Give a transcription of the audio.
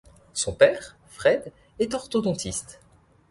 Son père, Fred, est orthodontiste.